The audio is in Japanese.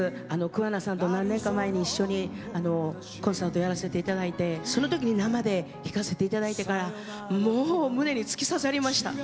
桑名さんと何年か前に一緒にコンサートやらせていただいてその時に生で聴かせていただいてからもう胸に突き刺さりました。